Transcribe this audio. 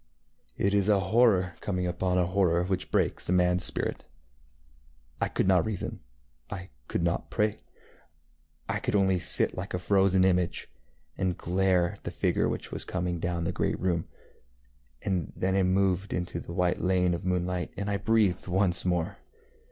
It is a horror coming upon a horror which breaks a manŌĆÖs spirit. I could not reason, I could not pray; I could only sit like a frozen image, and glare at the dark figure which was coming down the great room. And then it moved out into the white lane of moonlight, and I breathed once more.